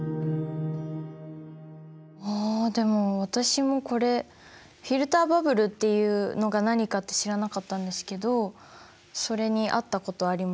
あでも私もこれフィルターバブルっていうのが何かって知らなかったんですけどそれにあったことあります。